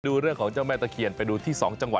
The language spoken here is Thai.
ดูเรื่องของเจ้าแม่ตะเคียนไปดูที่๒จังหวัด